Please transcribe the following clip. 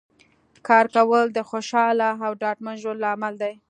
کار کول د خوشحاله او ډاډمن ژوند لامل دی